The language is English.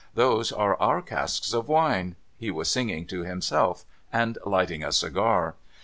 ' Those are our casks of wine.' He was singing to himself, and lighting a cigar.